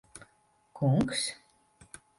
Kungs?